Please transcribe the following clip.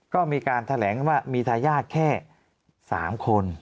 ก็มีการแถลงว่ามีทายาทแค่๓คน